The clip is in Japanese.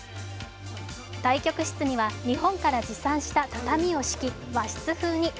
対局室には日本から持参した畳を敷き、和室風に。